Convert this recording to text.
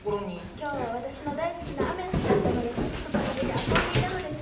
今日は私の大好きな雨の日だったので外に出て遊んでいたのです。